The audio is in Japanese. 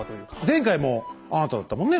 前回もあなただったもんね。